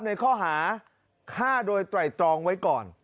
ในข้อหาฆ่าโดยไตรตรองไว้ก่อน